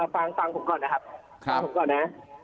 ฟังผมก่อนนะครับ